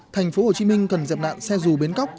thành phố hồ chí minh cần dẹp nạn xe dù bến cóc